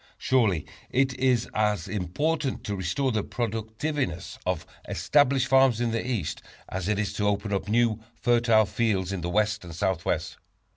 Surely it is as important to restore the productiveness of established farms in the East, as it is to open up new, fertile fields in the West and Southwest.